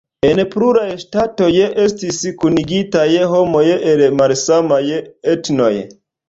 En pluraj ŝtatoj estis kunigitaj homoj el malsamaj etnoj.